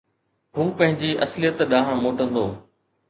هو پنهنجي اصليت ڏانهن موٽندو